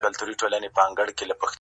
څومره له حباب سره ياري کوي.